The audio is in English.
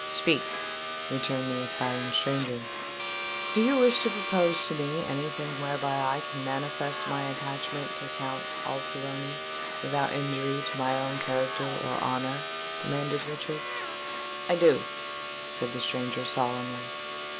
"Speak," returned the Italian stranger. "Do you wish to propose to me any thing whereby I can manifest my attachment to Count Alteroni, without injury to my own character or honour?" demanded Richard. "I do," said the stranger solemnly.